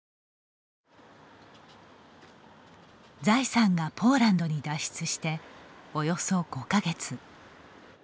ザイさんがポーランドに脱出しておよそ５か月。